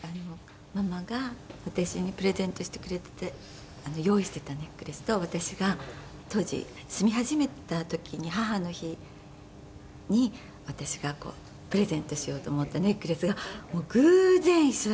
ママが私にプレゼントしてくれた用意してたネックレスと私が当時住み始めた時に母の日に私がプレゼントしようと思ったネックレスが偶然一緒だったの！